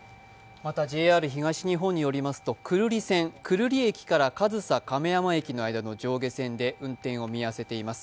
また、ＪＲ東日本によりますと久留里線、久留里駅から上総亀山駅の間の上下線で運転を見合わせています。